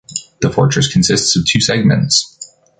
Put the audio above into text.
The fortress consists of two segments.